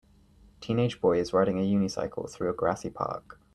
Teenage boy is riding a unicycle through a grassy park.